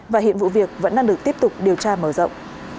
và hiện vụ việc vẫn đang được tiếp tục điều tra mở rộng